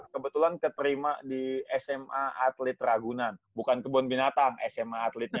kebetulan keterima di sma atlet ragunan bukan kebun binatang sma atletnya